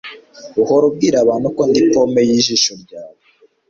uhora umbwira ko ndi pome yijisho ryawe.